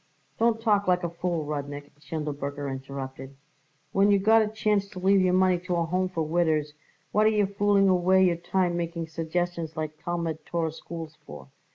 "Don't talk like a fool, Rudnik!" Schindelberger interrupted. "When you got a chance to leave your money to a Home for widders, what are you fooling away your time making suggestions like Talmud Torah schools for?